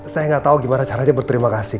saya nggak tahu gimana caranya berterima kasih